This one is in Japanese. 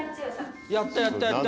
やったやったやった！